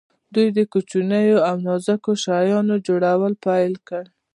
دوی د کوچنیو او نازکو شیانو جوړول پیل کړل.